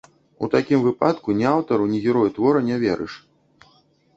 У такім выпадку ні аўтару, ні герою твора не верыш.